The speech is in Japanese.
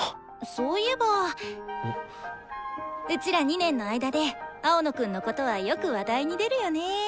そういえばうちら２年の間で青野くんのことはよく話題に出るよね。